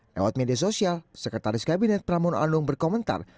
lewat media sosial sekretaris kabinet pramono anung berkomentar